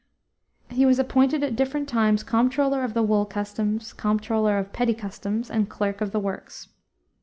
He was appointed at different times Comptroller of the Wool Customs, Comptroller of Petty Customs, and Clerk of the Works.